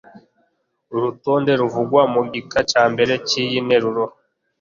urutonde ruvugwa mu gika cya mbere cy iyi nteruro